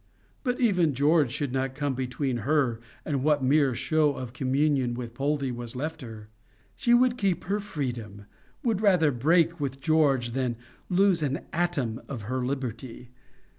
But even George should not come between her and what mere show of communion with Poldie was left her! She would keep her freedom would rather break with George than lose an atom of her liberty!